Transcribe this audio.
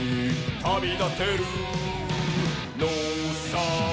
「旅立てるのさ」